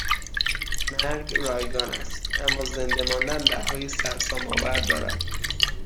مرگ رایگان است اما زنده ماندن بهائی سرسام آور دارد